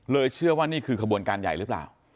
เชื่อว่านี่คือขบวนการใหญ่หรือเปล่า